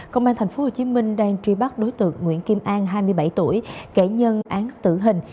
công an tp hcm đang truy bắt đối tượng nguyễn kim an hai mươi bảy tuổi kể nhân án tử hình